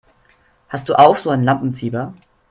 Hast du auch so ein Lampenfieber?